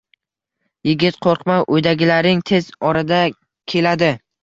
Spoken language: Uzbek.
Yigit - Qo'rqma, uydagilaring tez orada keladi!